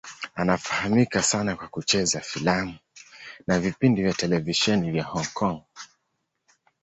Anafahamika sana kwa kucheza filamu na vipindi vya televisheni vya Hong Kong.